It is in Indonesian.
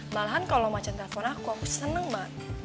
malahan kalau macan telepon aku aku seneng mak